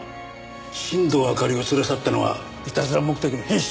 新堂明里を連れ去ったのはいたずら目的の変質者だ。